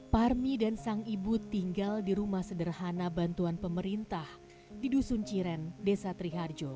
parmi dan sang ibu tinggal di rumah sederhana bantuan pemerintah di dusun ciren desa triharjo